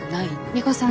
莉子さん